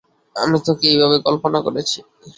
আমি তোকে এইভাবে কল্পনা করেছি।